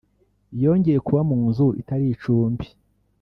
yongeye kuba mu nzu itari icumbi